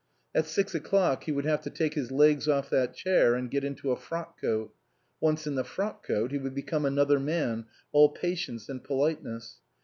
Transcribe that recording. At six o'clock he would have to take his legs off that chair, and get into a frock coat ; once in the frock coat he would become another man, all patience and politeness.